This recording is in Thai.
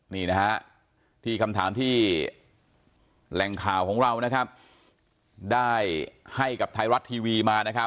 นี่นะฮะที่คำถามที่แหล่งข่าวของเรานะครับได้ให้กับไทยรัฐทีวีมานะครับ